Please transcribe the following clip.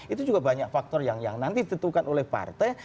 itu juga banyak faktor yang nanti ditentukan oleh partai